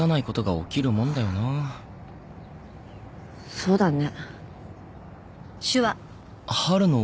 そうだね。